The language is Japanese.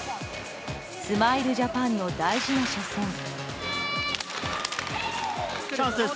スマイルジャパンの大事な初戦。